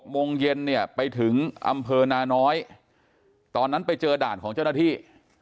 โมงเย็นเนี่ยไปถึงอำเภอนาน้อยตอนนั้นไปเจอด่านของเจ้าหน้าที่